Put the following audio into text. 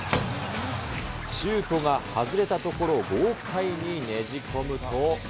シュートが外れたところを豪快にねじ込むと。